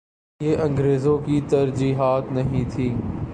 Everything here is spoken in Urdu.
یہ انگریزوں کی ترجیحات نہیں تھیں۔